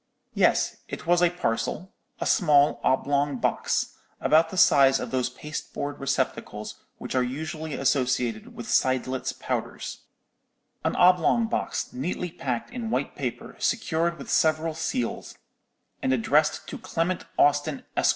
"Yes, it was a parcel—a small oblong box—about the size of those pasteboard receptacles which are usually associated with Seidlitz powders—an oblong box, neatly packed in white paper, secured with several seals, and addressed to Clement Austin, Esq.